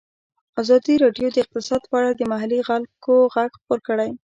ازادي راډیو د اقتصاد په اړه د محلي خلکو غږ خپور کړی.